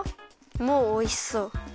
もうおいしそう。